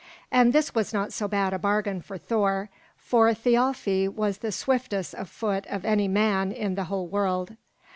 And this was not so bad a bargain for Thor, for Thialfi was the swiftest of foot of any man in the whole world.